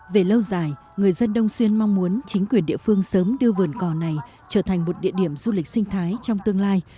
về lâu dài người dân đông xuyên mong muốn chính quyền địa phương sớm đưa vườn cò này trở thành một địa điểm du lịch sinh thái trong tương lai